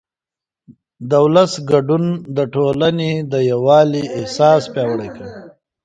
د ولس ګډون د ټولنې د یووالي احساس پیاوړی کوي